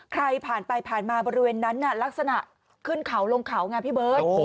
ใครผ่านไปผ่านมาบริเวณนั้นลักษณะขึ้นเขาลงเขาไงพี่เบิร์ต